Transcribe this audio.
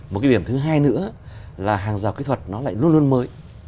một cái điểm thứ hai nữa là hàng rào kỹ thuật nó lại luôn luôn mới